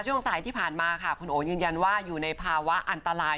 ช่วงสายที่ผ่านมาค่ะคุณโอยืนยันว่าอยู่ในภาวะอันตราย